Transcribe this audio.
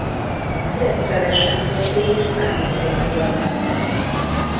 Rendszeresen fordít számi szépirodalmat.